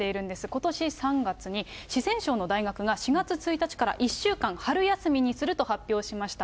ことし３月に、四川省の大学が４月１日から１週間、春休みにすると発表しました。